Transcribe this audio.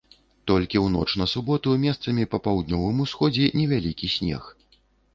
Толькі ў ноч на суботу месцамі на паўднёвым усходзе невялікі снег.